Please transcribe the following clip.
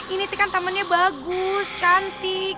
ini kan tamannya bagus cantik